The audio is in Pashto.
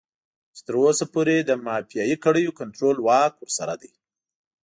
چې تر اوسه پورې د مافيايي کړيو کنټرول واک ورسره دی.